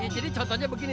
jadi contohnya begini